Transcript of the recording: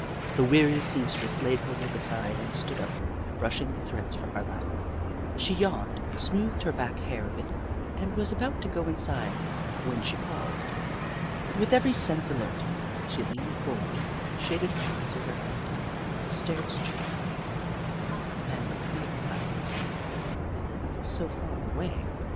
The weary seamstress laid her work aside and stood up, brushing the threads from her lap. She yawned, smoothed her back hair a bit, and was about to go inside, when she paused. With every sense alert, she leaned forward, shaded her eyes with her hand, and stared straight at me — the man with the field glass on the summit of the hill so far away.